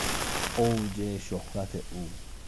اوج شهرت او